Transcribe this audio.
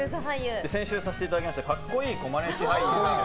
先週させていただいたのが格好いいコマネチ俳優。